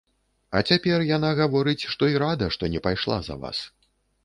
А цяпер яна гаворыць, што і рада, што не пайшла за вас.